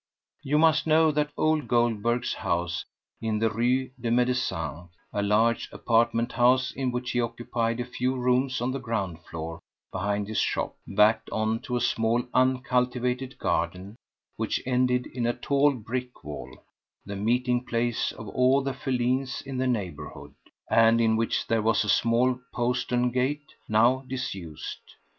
You must know that old Goldberg's house in the Rue des Médecins—a large apartment house in which he occupied a few rooms on the ground floor behind his shop—backed on to a small uncultivated garden which ended in a tall brick wall, the meeting place of all the felines in the neighbourhood, and in which there was a small postern gate, now disused.